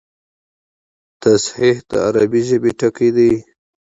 تصحیح د عربي ژبي ټکی دﺉ.